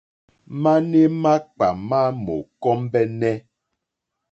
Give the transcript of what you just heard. Mane makpà ma mò kombεnε.